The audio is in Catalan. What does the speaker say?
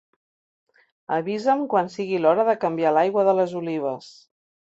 Avisa'm quan sigui l'hora de canviar l'aigua de les olives.